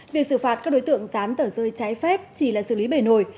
việc xử phạt các đối tượng gián tờ rơi trái phép chỉ là xử lý bể nổi